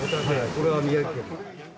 これは宮城県の。